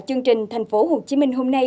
chương trình thành phố hồ chí minh hôm nay